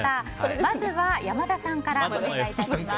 まずは山田さんからお願いします。